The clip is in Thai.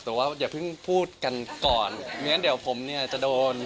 แต่ว่าอย่าเพิ่งพูดกันก่อนไม่งั้นเดี๋ยวผมเนี่ยจะโดน